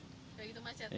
gak begitu macet